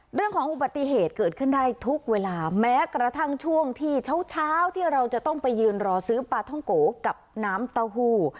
เรื่องของอุบัติเหตุเกิดขึ้นได้ทุกเวลาแม้กระทั่งช่วงที่เช้าเช้าที่เราจะต้องไปยืนรอซื้อปลาท่องโกกับน้ำเต้าหู้